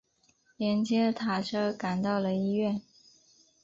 接连搭车赶到了医院